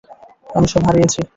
আমি সব হারিয়েছি।